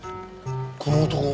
この男